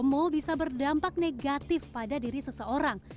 menekankan fomo bisa berdampak negatif pada diri seseorang